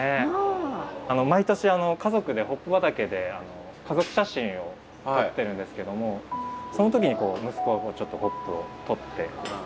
毎年家族でホップ畑で家族写真を撮ってるんですけどもその時に息子がちょっとホップを取って。